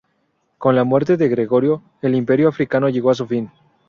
Con la muerte de Gregorio, el Imperio africano llegó a su fin.